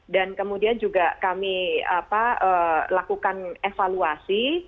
dan kemudian juga kami lakukan evaluasi